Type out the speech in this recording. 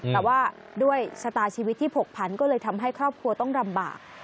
แต่ว่าด้วยชะตาชีวิตที่ผกพันก็เลยทำให้ครอบครัวต้องลำบาก